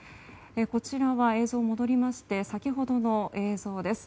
こちらは映像戻りまして先ほどの映像です。